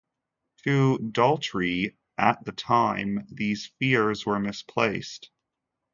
To Daltrey, at the time, these fears were misplaced.